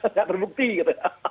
tidak terbukti gitu